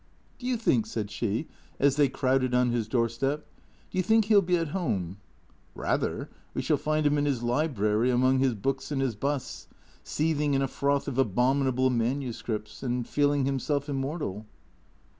" Do you think," said she, as they crowded on his doorstep, " do you think he '11 be at home ?"" Rather. We shall find him in his library, among his books and his busts, seething in a froth of abominable manuscripts, and feeling himself immortal."